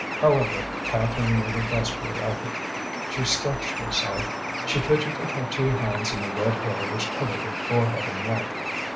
However, Catherine made a desperate effort. She stretched herself, she fidgeted her two hands in the red hair which covered her forehead and neck.